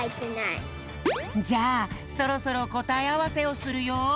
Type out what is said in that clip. じゃあそろそろこたえあわせをするよ。